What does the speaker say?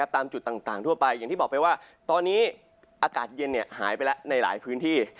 ตามจุดต่างทั่วไปอย่างที่บอกไปว่าตอนนี้อากาศเย็นหายไปแล้วในหลายพื้นที่